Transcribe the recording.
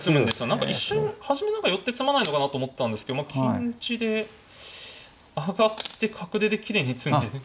何か一瞬初め何か寄って詰まないのかなと思ったんですけど金打ちで上がって角出できれいに詰んでる。